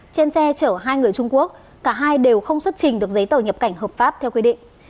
trên xe chở hai người trung quốc cả hai đều không xuất trình được giấy tờ nhập cảnh hợp pháp theo quy định